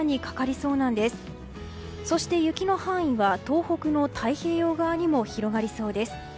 そして、雪の範囲は東北の太平洋側にも広がりそうです。